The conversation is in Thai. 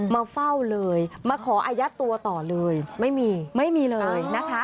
มาเฝ้าเลยมาขออายัดตัวต่อเลยไม่มีไม่มีเลยนะคะ